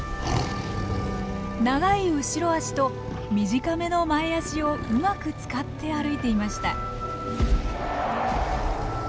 長い後ろ足と短めの前足をうまく使って歩いていました。